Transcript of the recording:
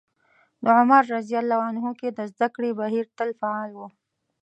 په عمر رض کې د زدکړې بهير تل فعال و.